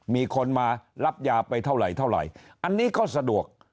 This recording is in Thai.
มีคนมารับยาไปเท่าไหร่เท่าไหร่อันนี้ก็สะดวก